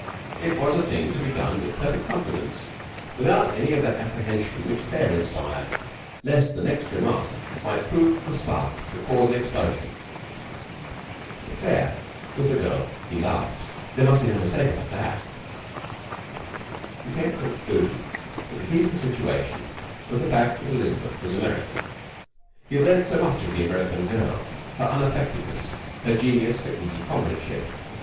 It was a thing to be done with perfect confidence, without any of that apprehension which Claire inspired lest the next remark might prove the spark to cause an explosion. But Claire was the girl he loved there must be no mistake about that. He came to the conclusion that the key to the situation was the fact that Elizabeth was American. He had read so much of the American girl, her unaffectedness, her genius for easy comradeship.